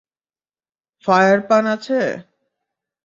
Fire পান আছে?